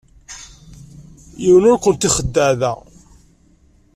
Yiwen ur kent-ixeddeε da.